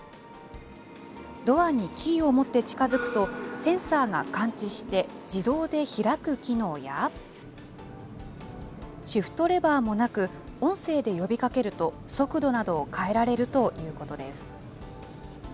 ドアにキーを持って近づくと、センサーが感知して自動で開く機能や、シフトレバーもなく、音声で呼びかけると速度などを変えられるということです。